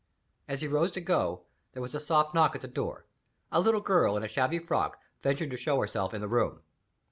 As he rose to go, there was a soft knock at the door. A little girl, in a shabby frock, ventured to show herself in the room.